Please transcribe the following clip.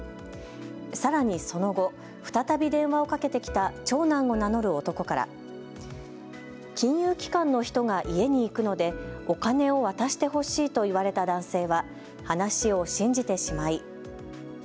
さらにその後、再び電話をかけてきた長男を名乗る男から金融機関の人が家に行くのでお金を渡してほしいと言われた男性は話を信じてしまい。